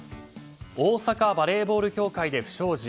大阪バレーボール協会で不祥事。